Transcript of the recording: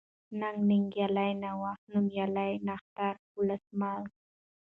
ننگ ، ننگيالی ، نوښت ، نوميالی ، نښتر ، ولسمل